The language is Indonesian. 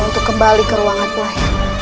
untuk kembali ke ruangan pelayanan